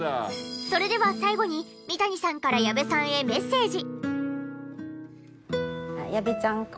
それでは最後に三谷さんから矢部さんへメッセージ。